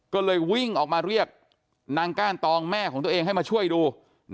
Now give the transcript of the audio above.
ก็เลยวิ่งออกมาเรียกนางก้านตองแม่ของตัวเองให้มาช่วยดู